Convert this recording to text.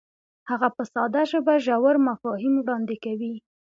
هغه په ساده ژبه ژور مفاهیم وړاندې کوي.